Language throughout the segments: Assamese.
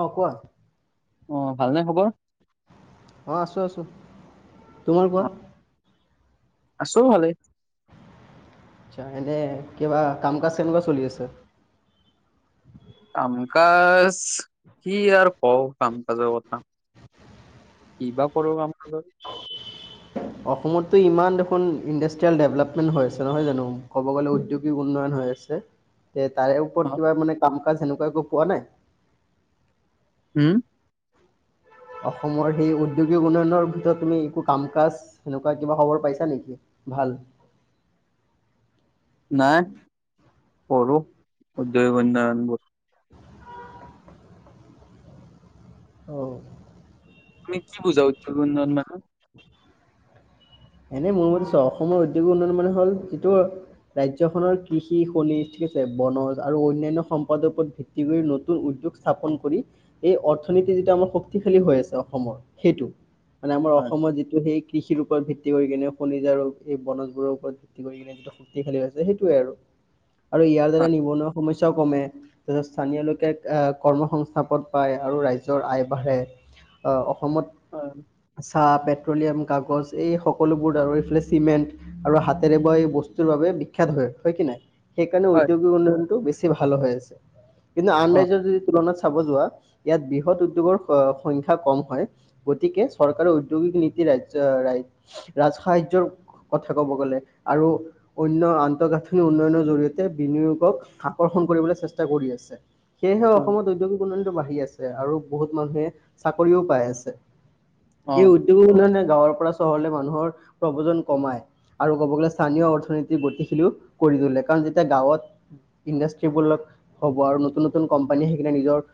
অ কোৱা অ ভালনে খবৰ অঁ আছোঁ আছোঁ তোমাৰ কোৱা অ আছো ভালেই আটচা এনে কিবা কাম কাজ কেনেকুৱা চলি আছে কামকাাজ কি আৰু কওঁ কাম কাজৰ কথা কিবা কৰ কাম কাজৰ অসমততো ইমান দেখোন ইণ্ডাষ্ট্ৰিয়েল ডেভলপমেন্ট হৈ আছে নহয় জানো ক'ব গ'লে উদ্যোগিক উন্নয়ন হৈ আছে তে তাৰে ওপৰত অ কিবা মানে কাম কাজ সেনেকুৱা একো পোৱা নাই উ অসমৰ সেই ঔদ্যোগিক উন্নয়নৰ ভিতৰত তুমি একো কাম কাজ সেনেকুৱা কিবা খবৰ পাইছা নেকি ভাল নাই পঢ়ো [inaudible] [unintelligible] অ তুমি কি বুজা উদ্যোগ উন্নয়ন মানে এনেই মোৰ মতে চ অসমৰ উদ্যোগিক উন্নয়ন মানে হ'ল যিটো ৰাজ্যখনৰ কৃষি খনি ঠিক আছে বনজ আৰু অন্যান্য সম্পদৰ ওপৰত ভিত টি কৰি নতুন উদ্যোগ স্থাপন কৰি এই অৰ্থনীতি যিটো আমাৰ শক্তিশালী হৈ আছে অসমৰ সেইটো মানে আমাৰ হয় অসমত যিটো সেই কৃষিৰ ওপৰ ভিত্ ভিত্তি কৰি কিনে খনিজ আৰু এই বনজবোৰৰ ওপৰত ভিত্তি কিনে যিটো শক্তিশালী আছে সেইটোৱে আৰু আৰু ইয়াৰ দ্বাৰা হয় নিবনুৱা সমস্ স্যাও কমে তাৰপিছত স্থানীয় লোকে কৰ্ম সংস্থাপন পায় আৰু ৰাইজৰ আয় বাঢ়ে অ অসমত হয় চাহ পেট্ৰলিয়াম কাগজ এই সকলোবোৰ আৰু এইফালে চিমেণ্ট আৰু হাতেৰে বোৱা এই বস্তুৰ বাবে বিখ্যাত হয়, হয় কি নাই সেইকাৰণে হয় হয় উদ্যোগিক উন্নয়নটো বেছি ভাল হৈ আছে কিন্তু আন অ ৰাজ্যৰ যদি তুলনাত চাব যোৱা ইয়াত বৃহৎ উদ্যোগৰ সংখ্যা কম হয় গতিকে চৰকাৰে উ উদ্যোগিক নীতি ৰাজ্য ৰাজ সাহায্যৰ কথা ক'ব গ'লে আৰু অন্য আন্তঃগাঁঠনি উন্নয়নৰ জৰিয়তে বিনিয়োগক আকৰ্ষণ কৰিবলৈ চেষ্টা কৰি আছে সেয়েহে হয় অসমত উদ্যোগিক উন্নয়তিটো বাঢ়ি আছে আৰু বহুত মানুহে চাকৰিও পাই আছে অ এই উদ্যোগিক উন্নয়নে গাঁৱৰ পৰা চহৰলে মানুহৰ প্ৰবজন কমাই আৰু ক'ব গ'লে স্থানীয় অৰ্থনীতি গতিশীলো কৰি তোলে কাৰণ যেতিয়া গাঁৱত ইণ্ডাষ্ট্ৰিবোৰ হ'ব আৰু নতুন নতুন কোম্পানী আহিলে নিজৰ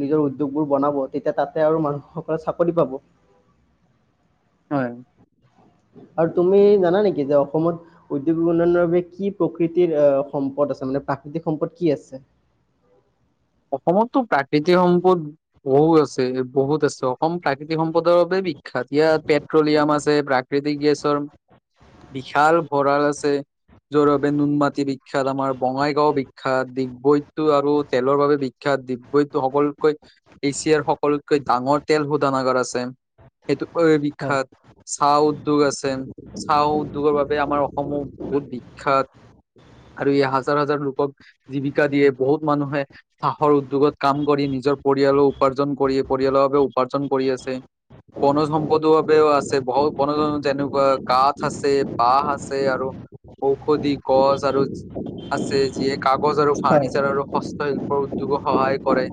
নিজৰ উদ্যোগবোৰ বনাব তেতিয়া তাতে আৰু মানুহসকলে চাকৰি পাব হয় আৰু তুমি জানা নেকি যে অসমত উদ্যোগিক উন্নয়নৰ বাবে কি প্ৰকৃতিৰ আহ সম্পদ আছে মানে প্ৰাকৃতিক সম্পদ কি আছে অসমততো প্ৰাকৃতিক সম্পদ বহু আছে বহুত আছে অসম প্ৰাকৃতিক সম্পদৰ বাবে বিখ্যাত ইয়াত পেট্ৰলিয়াম আছে প্ৰাকৃতিক গেছৰ বিশাল ভঁৰাল আছে। যৰ বাবে নুনমাটি বিখ্যাত আমাৰ বঙাইগাঁও বিখ্যাত ডিগবৈটো আৰু তেলৰ বাবে বিখ্যাত ডিগবৈত সকলকৈ এচিয়া সকলোতকৈ ডাঙৰ তেল শোধানাগাৰ আছে সেইটো হয় বিখ্যাত চাহ উদ্যোগ আছে চাহ উদ্যোগৰ বাবে আমাৰ অসমো বহুত বিখ্যাত। আৰু এই হাজাৰ হাজাৰ লোকক জীৱিকা দিয়ে বহুত মানুহে চাহৰ উদ্যোগত কাম কৰি নিজৰ পৰিয়ালো উপাৰ্জন কৰি পৰিয়ালৰ বাবে উপাৰ্জন কৰি আছে। বনজ সম্পদৰ বাবেও আছে বহু বনজ যেনেকুৱা কাঠ আছে বহ আছে আৰু ঔষধি গছ আৰু আছে যিয়ে কাগজ আৰু হয় ফাৰ্ণিচাৰ আৰু হস্তশিল্ প উদ্যোগক সহায় কৰে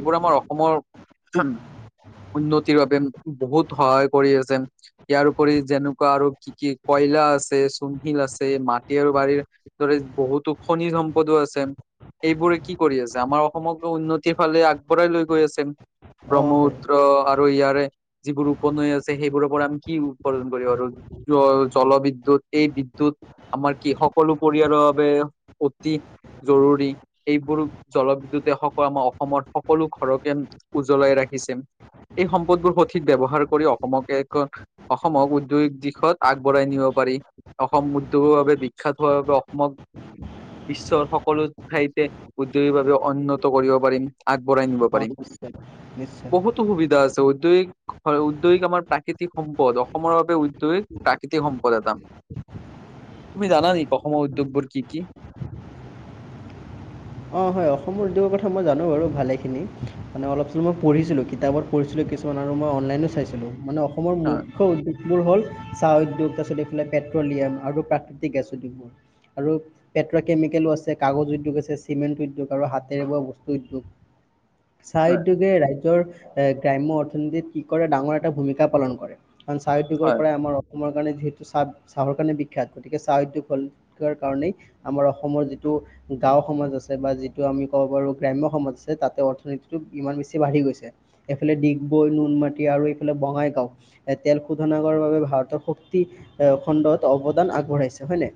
এইবোৰ আমাৰ অসমৰ। উন্নতিৰ বাবে বহুত সহায় কৰি আছে। ইয়াৰ উপৰি যেনেকুৱা আৰু কি কি কয়লা আছে চূনশিল আছে মাটি আৰু বাৰীৰ দৰে বহুতো খনি সম্পদো আছে এইবোৰে কি কৰি আছ আমাৰ অসমক উন্নতিৰ ফালে আগবঢ়াই লৈ গৈ আছে অ হয় ব্ৰহ্মপুত্ৰ আৰু ইয়াৰে যিবোৰ উপনৈ আছে সেইবোৰৰ পৰা আমি কি উৎপাদন কৰিব আৰু কিয় জলবিদ্যুৎ এই বিদ্যুৎ আমাৰ কি সকলো পৰিয়ালৰ বাবে অতি জৰুৰী এইবোৰ জলবিদ্যুতে সকলো আমাৰ অসমৰ সকলো ঘৰকে উজ্বলাই ৰাখিছে। এই সম্পদবোৰ সঠিক ব্যৱহাৰ কৰি অসমকে একক অসমক উদ্যোগিক দিশত আগবঢ়াই নিব পাৰি। অসম উদ্যোগৰ বাবে বিখ্যাত হোৱাৰ বাবে অসমক বিশ্বৰ সকলো ঠাইতে। উদ্যোগিক ভাৱে উন্নত কৰিব পাৰিম। আগবঢ়াই নিব অ পাৰিম নিশ্চয় নিশ্চয় বহুতো সুবিধা আছে উদ্যোগিক হয় উদ্যোগিক আমাৰ প্ৰাকৃতিক সম্পদ অসমৰ বাবে উদ্যোগিক প্ৰাকৃতিক সম্পদ এটা, তুমি জানা নেকি অসমৰ উদ্যোগবোৰ কি কি? অ হয় অসমৰ উদ্যোগৰ কথা মই জানো বাৰু ভালেখিনি মানে অলপ চলপ মই পঢ়িছিলো কিতাপত, পঢ়িছিলো কিছুমান আৰু মই অনলাইনো চাইছিলো মানে অসমৰ হয় মুখ্য উদ্যোগ, বোৰ হ'ল চাহ উদ্যোগ তাৰপিছত এইফালে পেট্ৰলিয়াম আৰু প্ৰাকৃতিক গেছ উদ্যোগবোৰ। আৰু পেট্ৰ কেমিকেলো আছে কাগজ উদ্যোগ আছে, চিমেণ্ট উদ্যোগ আৰু হাতেৰে বোৱা বস্তু উদ্যোগ চাহ হয় উদ্যোগে ৰাজ্যৰ, এ গ্ৰাম্য অৰ্থনীতিত কি কৰে ডাঙৰ এটা ভূমিকা পালন কৰে কাৰণ চাহ উদ্যোগৰ হয় পৰাই আমাৰ অসম, তোমাৰ কাৰণে যিহেতু চাহ চাহৰ কাৰণে বিখ্যাত গতিকে চাহ উদ্যোগ হ'ল। কাৰণেই আমাৰ অসমৰ যিটো গাও সমাজ আছে। ছে বা যিটো আমি ক'ব পাৰো গ্ৰাম সমাজ আছে তাতে অৰ্থনীতিটো ইমান বেছি বাঢ়ি গৈছে। এইফালে ডিগবৈ নুন মাটি আৰু এইফালে বঙাইগাঁও। এ তেল শোধন কৰাৰ বাবে ভাৰতৰ শক্তি এ খণ্ডত অৱদান আগবঢ়াইছে হয় নে।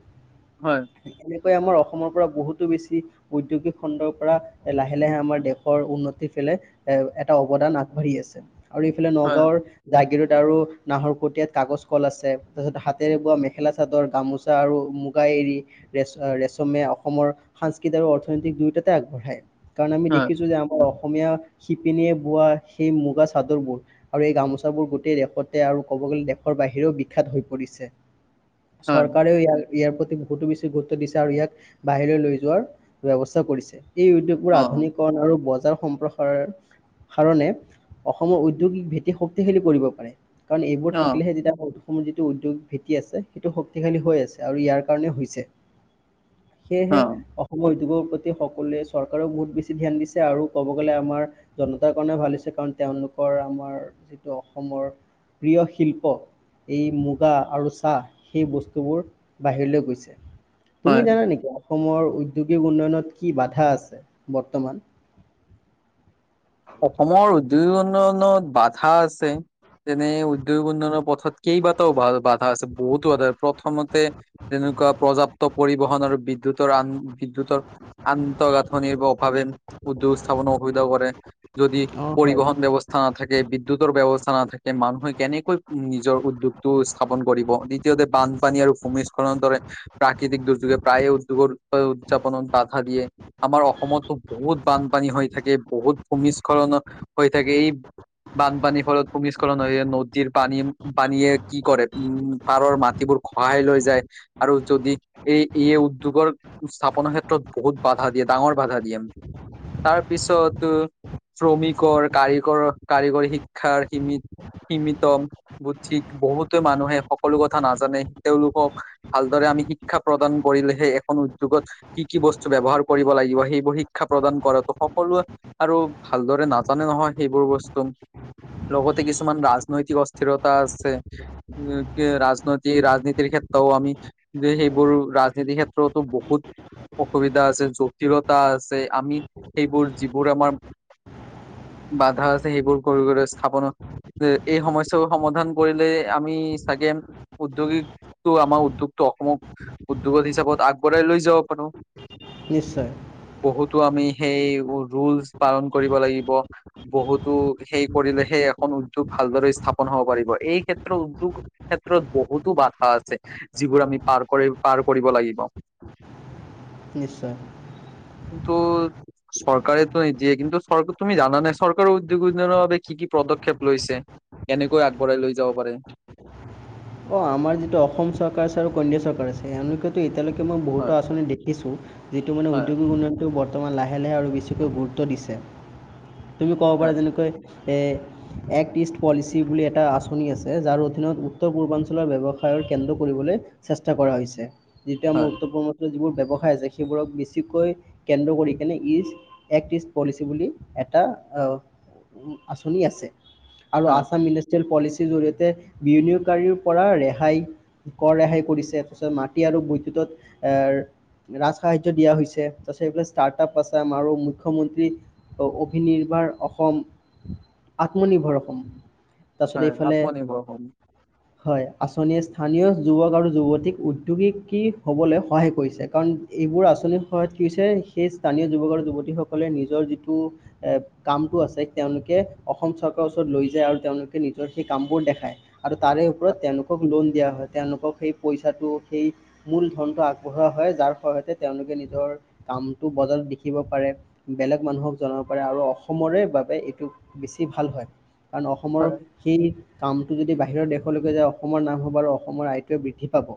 হয়। এনেকৈ আমাৰ অসমৰ পৰা বহুতো বেছি। উদ্যোগিক খণ্ডৰ পৰা লাহে লাহে দেশৰ আমাৰ উন্নতি ফালে, এ এটা অৱদান আগবাঢ়ি আছে আৰু এইফালে হয় নগাঁৱৰ। জাগিৰোত আৰু নাহৰ কটিয়াত কাগজ কল আছে তাৰপিছত হাতেৰে বোৱা মেখেলা চাদৰ গামোচ আৰু মুগা এৰী ৰেচ ৰেচমিয়া অসমৰ সাংস্ক কেতিয়াবা অৰ্থনৈতিক দুয়োটাতে আগবঢ়ায় কাৰণ আমি হয় দেখিছো যে আমাৰ অসম অসমীয়া শিপিনীয়ে বোৱা সেই মুগা চাদৰবোৰ। আৰু এই গামোচাবোৰ গোটেই দেশতে আৰু ক'ব গ'লে দেশৰ বাহিৰেও বিখ্যাত হৈ পৰিছে। হয় চৰকাৰেও ইয়াক ইয়াৰ প্ৰতি বহুতো বেছি গুৰুত্ব দিছে আৰু ইয়াক বাহিৰলৈ লৈ যোৱাৰ। ব্যৱস্থা কৰিছে এই উদ্যোগ বোৰ অ আধোনিকৰন আৰু বজাৰ সম্প্ৰ কৰ কাৰণে অসমৰ উদ্যোগিক ভেতি শক্তিশালী কৰিব পাৰে। কাৰণ এইবোৰ অ থাকিলেহে তেতিয়া হ'ল অসম যিটো উদ্যোগিক ভিত্তি আছে সেইটো শক্তিশালী হৈ আছে আৰু ইয়াৰ কাৰণে হৈছে। সেইয়েহে, অ অসমৰ উদ্যোগৰ প্ৰতি সকলোৱে চৰকাৰে বহুত বেছি ধ্যান দিছে আৰু ক'ব গ'লে আমাৰ। জনতাৰ কাৰণে ভাল হৈছে কাৰণ তেওঁলোকৰ আমাৰ যিটো অসমৰ প্ৰিয় শিল্প, এই মুগা আৰু চাহ সেই বস্তুবোৰ বাহিৰলৈ গৈছে। হয় তুমি জানা নেকি অসমৰ উদ্যোগিক উন্নয়নত কি বাধা আছে বৰ্তমান। অসমৰ উদ্যোগিক উন্নয়নত বাধা আছে। যেনে উদ্যোগিক উন্নয়নৰ পথত কেইবাটাও বাধা আছে বহুতো বাধা প্ৰথমতে, তেনেকুৱা প্ৰযাপ্ত পৰিবহন আৰু বিদ্যুতৰ আন বিদ্যুতৰ, আন্তঃগাঁথনিৰ অভাৱে উদ্যোগ স্থাপনৰ অসুবিধা কৰে যদি অ' হয়, পৰিবহন ব্যৱস্থা, স্থা নাথাকে বিদ্যুতৰ ব্যৱস্থা নাথাকে মানুহে কেনেকৈ নিজৰ উদ্যোগটো স্থাপন কৰিব নি, দ্ধিতীয়তে বানপানী আৰু ভূমিস্খলনৰ দৰে, প্ৰাকৃতিক দুৰ্যোগে প্ৰায়ে উদ্যোগৰ উদযাপনত বাধা দিয়ে। আমাৰ অসমতো বহুত বানপানী হৈ থাকে বহুত ভূমিস্খলন হৈ থাকে এই, বানপানীৰ ফলত ভূমিস্খলন হৈ নদীৰ পানী পানীয়ে কি কৰে উম, পাৰৰ মাটিবোৰ খহাই লৈ যায় আৰু যদি এই এই উদ্যোগৰ, স্থাপনৰ ক্ষেত্ৰত বহুত বাধা দিয়ে ডাঙৰ বাধা দিয়ে তাৰ পিছত, শ্ৰমিকৰ কাৰিকৰ কাৰিকৰী শিক্ষাৰ সীমিত, সীমিত বুদ্ধিক বহুতো মানুহে সকলো কথা নাজানে তেওঁলোকক, ভালদৰে শিক্ষা প্ৰদান কৰিলেহে এখন উদ্যোগত কি কি বস্তু ব্যৱহাৰ কৰিব লাগিব সেইবোৰ শিক্ষা প্ৰদান কৰাতো সকলোৱে আৰু ভালদৰে নাজানে নহয় সেইবোৰ বস্তু লগতে কিছুমান ৰাজনৈতিক অস্থিৰতা আছে উম কি ৰাজনৈতিক ৰাজনীতিৰ ক্ষেত্ৰও আমি যে সেইবোৰ ৰাজনীতি ক্ষেত্ৰতো বহুত অসুবিধা আছে জটিলতা আছে আমি সেইবোৰ যিবোৰ আমাৰ বাধা আছে সেইবোৰ কৰি কৰি স্থাপন যে এই সমস্যাবোৰ সমাধান কৰিলে আমি চাগে উদ্যোগিক টো আমাৰ উদ্যোগটো অসমক উদ্যোগত হিচাপত আগবঢ়াই লৈ যাব পাৰো নিশ্চয় বহুতো আমি সেই ৰুলচ পালন কৰিব লাগিব বহুতো সেই কৰিলেহে এখন উদ্যোগ ভালদৰে স্থাপন হব পাৰিব এই ক্ষেত্ৰত উদ্যোগ ক্ষেত্ৰত বহুতো বাধা আছে যিবোৰ আমি পাৰ কৰি পাৰ কৰিব লাগিব [inaudible] নিশ্চয় কিন্তু চৰকাৰেতো এ নিদিয়ে কিন্তু চৰকা তুমি জানানে চৰকাৰৰ উদ্যোগ উন্নয়নৰ বাবে কি কি পদক্ষেপ লৈছে কেনেকৈ আগবঢ়াই লৈ যাব পাৰে অ আমাৰ যিটো অসম চৰকাৰ আছে আৰু কেন্দ্ৰীয় চৰকাৰ আছে এওঁলোকেতো এতিয়ালৈকে মই হয় বহুতো আঁচনি দে দেখিছোঁ যিটো মানে হয় উদ্যোগিক উন্নয়নটো বৰ্তমান লাহে লাহে আৰু বেছিকৈ গুৰুত্ব দিছে তুমি কব হয় পাৰা যেনেকৈ এ এক্ট ইষ্ট পলিচি বুলি এটা আঁচনি আছে যাৰ অধীনত উত্তৰ পূৰ্বাঞ্চলৰ ব্যৱসায়ৰ কেন্দ্ৰ কৰিবলৈ চেষ্টা কৰা হৈছে যেতিয়া মই হয় উত্তৰ পূ্ৰ্বা যিবোৰ ব্যৱসায় আছে সেইবোৰক বেছিকৈ কেন্দ্ৰ কৰি কেনে ইষ্ট এক্ট ইষ্ট পলিচি বুলি এটা অ আঁচনি আছে আৰু হয় আছাম ইণ্ডাষ্ট্ৰিয়েল পলিচীৰ জৰিয়তে বিনিয়োগকাৰীৰ পৰা ৰেহাই কৰ ৰেহাই কৰিছে তাৰপিছত মাটি আৰু বৈদ্যুতত এ ৰাজ সাহায্য দিয়া হৈছে তাৰপিছত এই ষ্টাৰ্ট আপ আচাম আৰু মুখ্যমন্ত্ৰী অভিনিৰ্ভৰ অসম আত্মনিৰ্ভৰ অসম তাৰপিছত হয় এইফালে আত্মনিৰ্ভৰ অসম হয় আঁচনিয়ে স্থানীয় যুৱক আৰু যুৱতীক উদ্যোগিকী হ'বলে সহায় কৰিছে কাৰণ এইবোৰ আঁচনিৰ সহায়ত কি হৈছে সেই স্থানীয় যুৱক আৰু যুৱতী সকলে নিজৰ যিটো এ কামটো আছে তেওঁলোকে অসম চৰকাৰৰ ওচৰত লৈ যায় আৰু তেওঁলোকে নিজৰ সেই কামবোৰ দেখায়। আৰু তাৰে ওপৰত তেওঁলোকক লোন দিয়া হয় তেওঁলোকক সেই পইচাটো সেই মূল ধনটো আগবঢ়োৱা হয় যাৰ ফলতে তেওঁলোকৰ নিজৰ কামটো বজাৰত দেখিব পাৰে। বেলেগ মানুহক জনাব পাৰে আৰু অসমৰে বাবে এইটো বেছি ভাল হয়। কাৰণ অসমৰ হয় সেই কাম টো যদি বাহিৰৰ দেশলৈকে যায় অসমৰ নাম হ'ব আৰু অসমৰ আয়টো বৃদ্ধি পাব।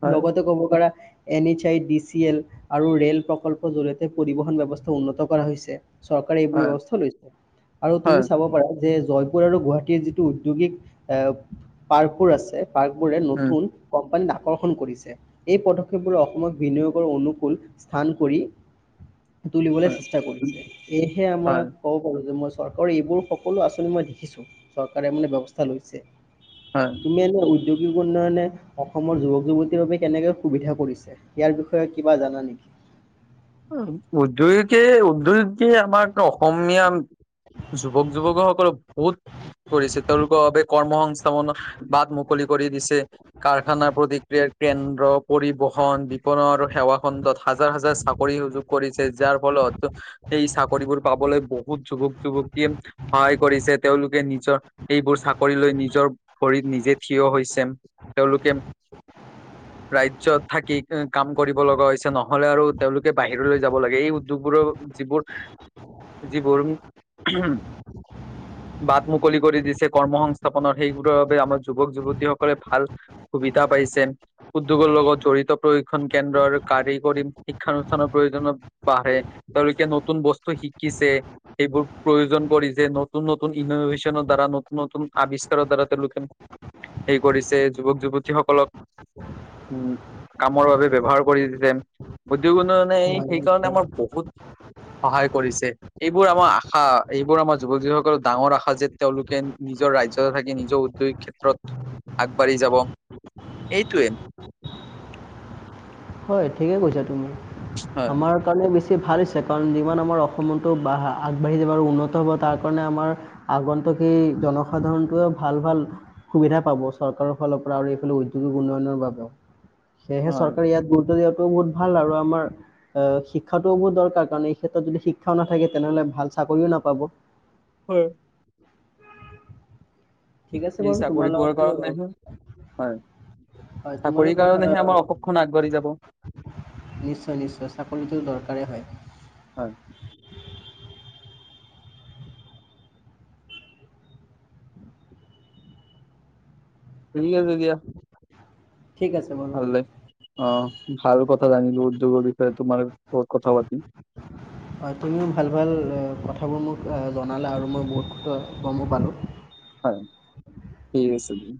হয় হয় লগতে ক'ব পাৰা N H I D C L আৰু ৰে'ল প্ৰকল্পৰ জৰিয়তে পৰিবহণ ব্যৱস্থা উন্নত কৰা হৈছে। চৰকাৰে এইবোৰ হয় ব্যৱস্থা লৈছে আৰু তুমি হয় চাব পাৰা যে জয়পুৰ আৰু গুৱাহাটীৰ যিটো উদ্যোগিক এ পাৰ্কবোৰ আছে পাৰ্ক বোৰে উম নতুন কোম্পানীত আকৰ্ষণ কৰিছে। এই পদক্ষেপবোৰ অসমক বিনিয়োগৰ অনুকূল স্থান কৰি তুলিবলৈ হয় চেষ্টা কৰিছে সেয়েহে হয় আমাক ক'ব পাৰো যে মই চৰকাৰৰ এইবোৰ সকলো আঁচনি মই দেখিছো চৰকাৰে মানে ব্যৱস্থা লৈছে। হয়। তুমি এনে ঔদ্যোগিক উন্নয়নে অসমৰ যুৱক-যুৱতীৰ বাবে কেনেকৈ সুবিধা কৰিছে? ইয়াৰ বিষয়ে কিবা জানা নেকি? উদ্যোগিকে উদ্যোগিকে আমাক অসমীয়া যুৱক যুৱকক সকলক বহুত কৰিছে তেওঁলোকৰ বাবে কৰ্ম সংস্থাপনৰ বাট মুকলি কৰি দিছে। কাৰখানা, প্ৰতিক্ৰিয়াৰ কেন্দ্ৰ, পৰিবহন, বিপনন আৰু সেৱা খণ্ডত হাজাৰ হাজাৰ চাক ৰি সুযোগ কৰিছে যাৰ ফলত সেই চাকৰিবোৰ পাবলৈ বহুত যুৱক-যুৱতীয়ে সহায় কৰিছে তেওঁলোকে নিজৰ এইবোৰ চাকৰি লৈ নিজৰ ভৰিত নিজে থিয় হৈছে, তেওঁলোকে ৰাজ্যত থাকি কাম কৰিব লগা হৈছে, নহলে আৰু তেওঁলোকে বাহিৰলৈ যাব লাগে এই উদ্যোগবোৰৰ যিবোৰ যিবোৰ উমহ বাট মুকলি কৰি দিছে কৰ্ম সংস্থাপনৰ সেইবোৰৰ বাবে আমাৰ যুৱক-যুৱতী সকলে ভাল সুবিধা পাইছে উদ্যোগৰ লগত জড়িত প্ৰশিক্ষন কেন্দ্ৰ আৰু কাৰিকৰী শিক্ষানুষ্ঠানৰ প্ৰয়োজনত বাঢ়ে, তেওঁলোকে নতুন বস্তু শিকিছে। এইবোৰ প্ৰয়োজন কৰি যে নতুন নতুন ইনোভেশনৰ দ্বাৰা নতুন নতুন আৱিষ্কাৰৰ দ্বাৰা তেওঁলোকে হেৰি কৰিছে যুৱক-যুৱতী সকলক [unintelligible] উম কামৰ বাবে ব্যৱহাৰ কৰি দিছে। উদ্যোগ উন্নয়নে এই হয় সেইকাৰণে নিশ্চয় আমাৰ বহুত সহায় কৰিছে। এইবোৰ আমাৰ আশা এইবোৰ আমাৰ যুৱক-যুৱতী সকলৰ ডাঙৰ আশা যে তেওঁলোকে নিজৰ ৰাজ্যতে থাকি নিজৰ উদ্যোগিক ক্ষেত্ৰত আগবাঢ়ি যাব, এইটোৱে। হয় ঠিকেই কৈছা তুমি, হয় আমাৰ কাৰণে বেছি ভাল হৈছে কাৰণ যিমান আমাৰ অসমতো আগবাঢ়ি যাব আৰু উন্নত হ'ব তাৰ কাৰণে আমাৰ আগন্তুক সেই জনসাধাৰণটোৱেও ভাল-ভাল সুবিধা পাব চৰকাৰৰ ফালৰ পৰা আৰু এইফালে উদ্যোগিক উন্নয়নৰ বাবেও, সেয়েহে হয়। চৰকাৰে ইয়াত গুৰুত্ব দিয়াটোও বহুত ভাল আৰু আমাৰ এ শিক্ষাটোও বহুত দৰকাৰ কাৰণ এই ক্ষেত্ৰত যদি শিক্ষাও নাথাকে তেনেহ'লে ভাল চাকৰিও নাপাব। হয়। ঠিক আছে এই বাৰু তোমাৰ চাকৰি পোৱাৰ লগততো কাৰণেহে হয় হয় তোমাৰ চাকৰিৰ লগত কথা কাৰণেহে আমাৰ অসমখন আগবাঢ়ি যাব নিশ্চয়-নিশ্চয় চাকৰিটো দৰকাৰেই হয়। হয় ঠিক আছে দিয়া। ঠিক আছে। বাৰু ভালে অ ভাল কথা জানিলো উদ্যোগৰ বিষয়ে তোমাৰ লগত কথা পাতি। হয় তুমিও ভাল ভাল অ কথাবোৰ মোক জনালা আৰু মই বহুত গমো পালো। হয় ঠিক আছে দিয়া।